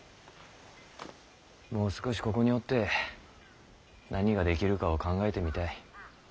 もう少しここにおって何ができるかを考えてみたい。